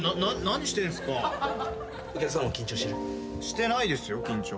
してないですよ緊張。